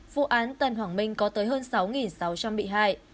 vụ án tân hoàng minh có tới hơn sáu sáu trăm linh bị hại